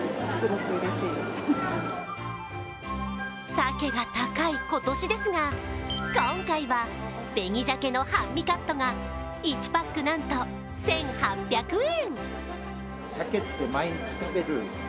鮭が高い今年ですが今回は、紅鮭の半身カットが１パックなんと１８００円。